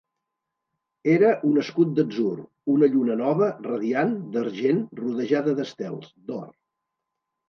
Era un escut d'atzur, una lluna nova, radiant, d'argent, rodejada d'estels, d'or.